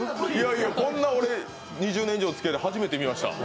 俺、２０年以上のつきあいで初めて見ました。